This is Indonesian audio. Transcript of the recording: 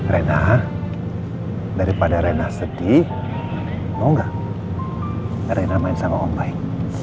rena daripada rena sedih mau enggak rena main sama om baik